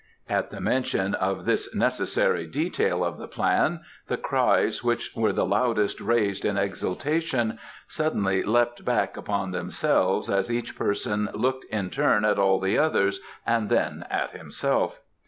At the mention of this necessary detail of the plan the cries which were the loudest raised in exultation suddenly leapt back upon themselves as each person looked in turn at all the others and then at himself.